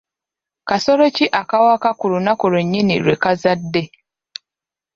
Kasolo ki akawaka ku lunaku lwennyini lwe kazadde?